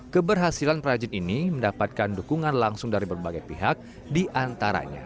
keberhasilan prajin ini mendapatkan dukungan langsung dari berbagai pihak di antaranya